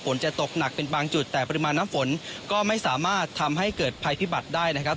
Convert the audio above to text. จะตกหนักเป็นบางจุดแต่ปริมาณน้ำฝนก็ไม่สามารถทำให้เกิดภัยพิบัตรได้นะครับ